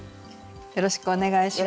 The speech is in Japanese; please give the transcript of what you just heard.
よろしくお願いします。